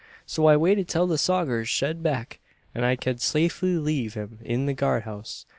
So I waited till the sogers shed get back, an I ked safely leave him in the guard house.